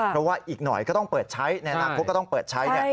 เพราะว่าอีกหน่อยก็ต้องเปิดใช้ในอนาคตก็ต้องเปิดใช้